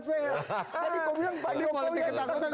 kau bilang pak jokowi yang takut